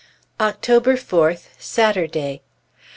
October 4th, Saturday.